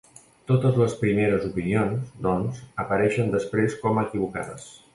Totes les primeres opinions, doncs, apareixen després com a equivocades.